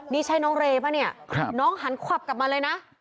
นี่ใช่น้องเรป่ะเนี่ยน้องหันขวับกลับมาเลยนะ